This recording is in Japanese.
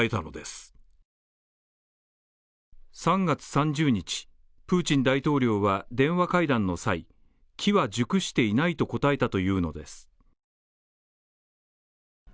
３月３０日、プーチン大統領は電話会談の際、機は熟していないと答えたというのです。